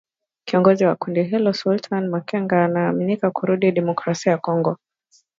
Kiongozi wa kundi hilo Sultani Makenga anaaminika kurudi Demokrasia ya Kongo